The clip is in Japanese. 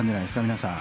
皆さん。